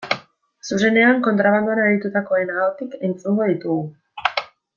Zuzenean, kontrabandoan aritutakoen ahotik entzungo ditugu.